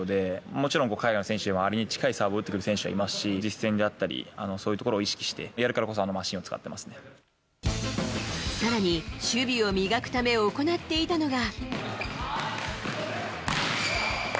もちろん、海外の選手もあれに近いサーブを打ってくる選手もいますし、実戦であったり、そういうところを意識して、やるからこそあのマさらに、守備を磨くため行っていたのが。